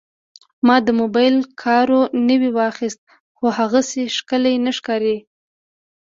ما د موبایل کاور نوی واخیست، خو هغسې ښکلی نه ښکاري.